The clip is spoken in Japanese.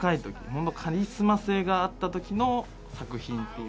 本当カリスマ性があった時の作品っていう。